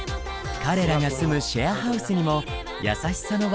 彼らが住むシェアハウスにも優しさの輪が広がっていきます。